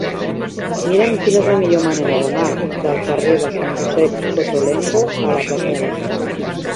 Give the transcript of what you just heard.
Mira'm quina és la millor manera d'anar del carrer de Sant Josep Cottolengo a la plaça de les Fonts.